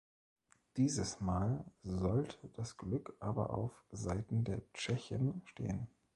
Dieses Mal sollt das Glück aber auf Seiten der Tschechen stehen.